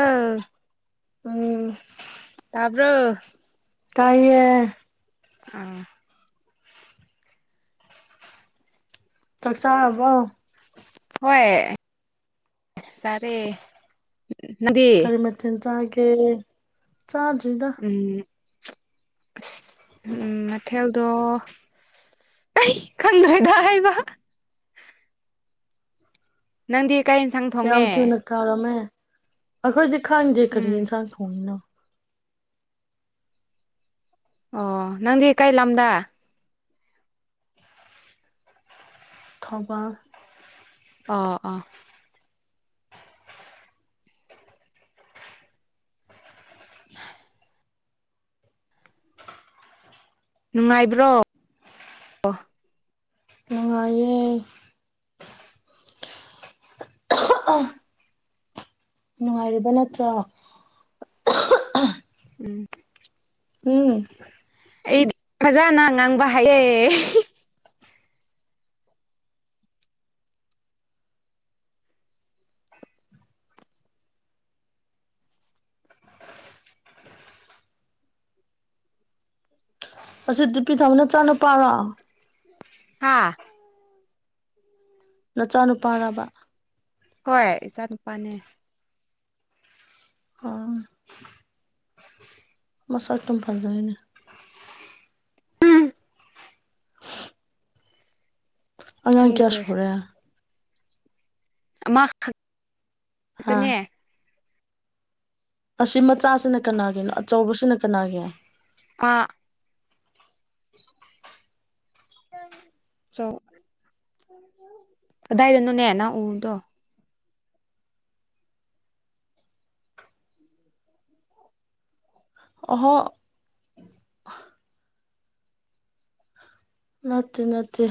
ꯑꯥ ꯎꯝ ꯇꯥꯕꯔꯣ ꯇꯥꯏꯌꯦ ꯑꯥ ꯆꯥꯛ ꯆꯥꯔꯕꯣ ꯍꯣꯏ ꯆꯥꯔꯦ ꯅꯪꯗꯤ ꯀꯔꯤ ꯃꯊꯦꯜ ꯆꯥꯔꯒꯦ ꯆꯥꯗꯔꯤ ꯗ ꯎꯝ ꯑꯁ ꯎꯝ ꯀꯩꯊꯦꯜꯗꯣ ꯑꯩ ꯈꯪꯗ꯭ꯔꯦꯗ ꯍꯥꯏꯕ ꯅꯪꯗꯤ ꯀꯩ ꯌꯦꯟꯁꯥꯡ ꯌꯥꯝ ꯊꯣꯡꯉꯦ ꯊꯨꯅ ꯀꯥꯔꯝꯃꯦ ꯑꯩꯈꯣꯏꯁꯨ ꯈꯪꯗꯦ ꯀꯔꯤ ꯎꯝ ꯌꯦꯟꯁꯥꯡ ꯊꯣꯡꯉꯤꯅꯣ ꯑꯣ ꯅꯪꯗꯤ ꯀꯩ ꯂꯝꯗꯥ ꯊꯣꯕꯥꯜ ꯑꯥ ꯑꯥ ꯅꯨꯡꯉꯥꯏꯕ꯭ꯔꯣ ꯑꯣ ꯅꯨꯡꯉꯥꯏꯌꯦ ꯅꯨꯡꯉꯥꯏꯔꯤꯕ ꯅꯠꯇ꯭ꯔꯣ ꯎꯝ ꯎꯝ ꯑꯩꯗꯤ ꯐꯖꯅ ꯉꯥꯡꯕ ꯍꯥꯏꯌꯦ ꯑꯁꯤ [unintelligible] ꯅꯆꯥ ꯅꯨꯄꯥꯔꯣ ꯍꯥꯥ ꯅꯆꯥ ꯅꯨꯄꯥꯔꯕ ꯍꯣꯏ ꯏꯆꯥ ꯅꯨꯄꯥꯅꯦ ꯑꯣ ꯃꯁꯚ ꯇꯨꯝ ꯐꯖꯩꯅꯦ ꯎꯝ ꯑꯉꯥꯡ ꯀꯌꯥ ꯈꯪꯗ꯭ꯔꯦ ꯁꯨꯔꯦ ꯑꯃꯥ ꯈꯛ ꯍꯥ ꯇꯅꯦ ꯑꯁꯤ ꯃꯆꯥꯖꯤꯅ ꯀꯅꯥꯒꯤꯅꯣ ꯑꯆꯧꯕꯁꯤꯅ ꯀꯅꯥꯒꯤ ꯃꯥ [inaudible] ꯆꯣ ꯀꯗꯥꯏꯗꯅꯣꯅꯦ ꯅ ꯎꯕꯗꯣ ꯑꯣꯍꯣ ꯅꯠꯇꯦ ꯅꯠꯇꯦ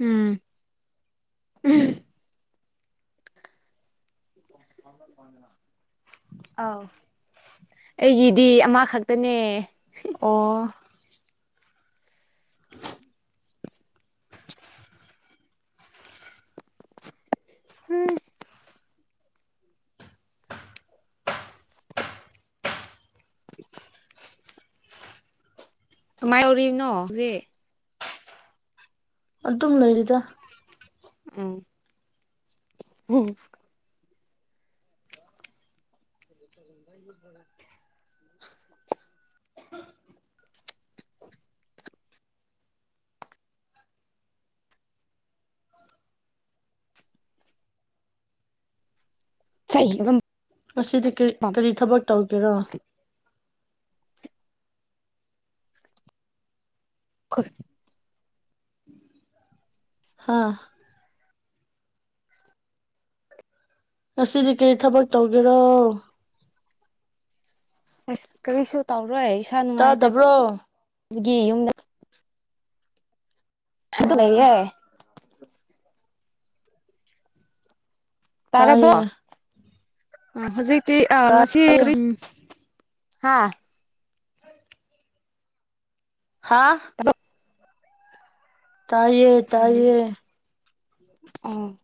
ꯎꯝ ꯎꯍꯝ [unintelligible] ꯑꯥꯎ ꯑꯩꯒꯤꯗꯤ ꯑꯃꯥ ꯈꯛꯇꯅꯦ꯫ ꯑꯣ꯫ [inaudible] ꯎꯝ꯫ [inaudible] ꯀꯃꯥꯏ ꯎꯔꯤꯕꯅꯣ ꯖꯦ ꯑꯗꯨꯝ ꯂꯩꯔꯤꯗ꯫ ꯎꯝ꯫ [unintelligible] ꯆꯩꯕꯒꯝ ꯉꯁꯤꯗꯤ ꯀ꯭ꯔꯤ ꯀꯔꯤ ꯊꯕꯛ ꯇꯧꯒꯦꯔꯣ꯫ ꯈꯣꯏ꯫ ꯍꯥꯥ꯫ ꯉꯁꯤꯗꯤ ꯀꯔꯤ ꯊꯕꯛ ꯇꯧꯒꯦꯔꯣ꯫ ꯑꯁ ꯀꯔꯤꯁꯨ ꯇꯧꯔꯣꯏ ꯏꯁꯥ ꯅꯨꯡꯉꯥꯏꯇ ꯇꯥꯗꯕ꯭ꯔꯣ ꯒꯤ ꯌꯨꯝꯗ ꯑꯗꯨ ꯑꯣ ꯂꯩꯌꯦ꯫ ꯇꯥꯔꯕꯣ ꯇꯥꯏꯌꯦ ꯑ ꯍꯣꯖꯤꯛꯇꯤ ꯑ ꯉꯁꯤ ꯇꯥꯏꯌꯦ ꯀꯔꯤ ꯍꯥꯥ꯫ ꯍꯥꯥ꯫ ꯊꯕꯛ ꯇꯥꯏꯌꯦꯠ꯫ ꯎꯝꯍꯨꯝ ꯎꯝ꯫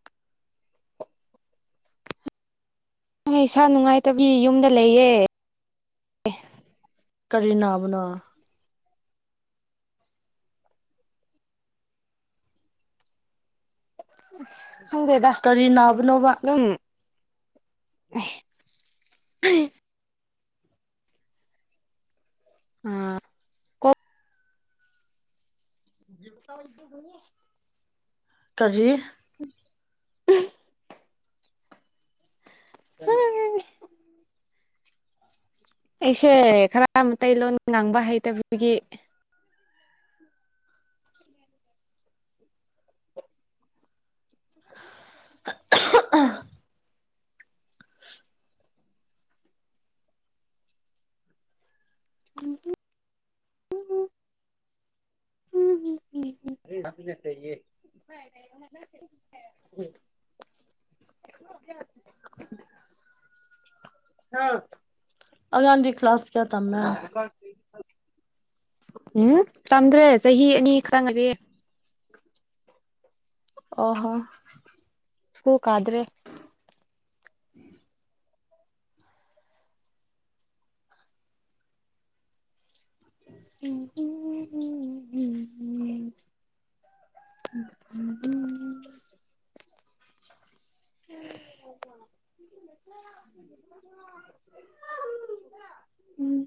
ꯑꯩ ꯏꯁꯥ ꯅꯨꯡꯉꯥꯏꯇꯕꯒꯤ ꯌꯨꯝꯗ ꯂꯩꯌꯦ꯫ ꯀꯔꯤ ꯅꯥꯕꯅꯣ꯫ ꯑꯁ ꯈꯪꯗꯦꯗꯥ ꯀꯔꯤ ꯅꯥꯕꯅꯣꯕ ꯗꯨꯝ ꯑꯍꯦ ꯍꯦ꯫ ꯑꯥ ꯀꯣꯛ [unintelligible] ꯀꯔꯤ꯫ ꯎ ꯍꯥꯏ ꯑꯩꯁꯦ ꯈꯔ ꯃꯇꯩꯂꯣꯟ ꯉꯥꯡꯕ ꯍꯩꯇꯕꯗꯨꯒꯤ [inaudible] [inaudible] [unintelligible] [unintelligible] ꯅꯥ ꯑꯉꯥꯡꯗꯤ ꯀ꯭ꯂꯥꯁ ꯀꯌꯥ ꯇꯝꯃꯦ ꯎꯝ ꯇꯝꯗ꯭ꯔꯦ ꯆꯍꯤ ꯑꯅꯤ ꯈꯇ ꯉꯥꯏꯔꯤꯌꯦ꯫ ꯑꯣ ꯍꯣ꯫ ꯁ꯭ꯀꯨꯜ ꯀꯥꯗ꯭ꯔꯦ꯫ ꯎꯝ ꯍꯨꯝ꯫ [unintelligible] ꯎꯝ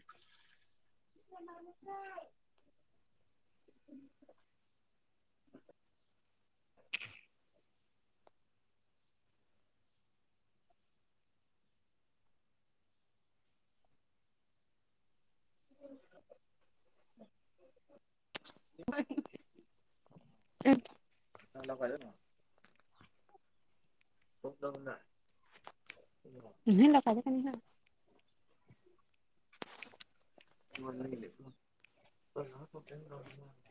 [inaudible] [inaudible] ꯏ ꯂꯀꯗ [unintelligible] [inaudible]